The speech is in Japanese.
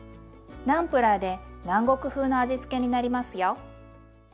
ナンプラーで南国風の味付けになりますよ。